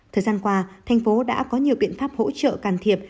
thời gian qua tp hcm đã có nhiều biện pháp hỗ trợ can thiệp